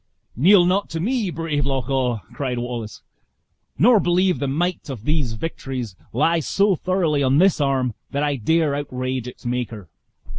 "Kneel not to me, brave Loch awe!" cried Wallace; "nor believe the might of these victories lies so thoroughly on this arm that I dare outrage its Maker.